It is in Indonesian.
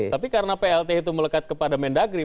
tapi karena plt itu melekat kepada mendagri